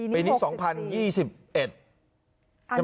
ปีนี้๒๐๒๑